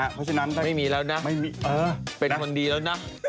นะครับเพราะฉะนั้นไม่มีแล้วนะเป็นคนดีแล้วนะ